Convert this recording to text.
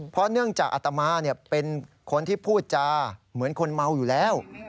เพราะเนื่องจากอัตมาเป็นคนที่พูดจาเหมือนคนเมาอยู่แล้ว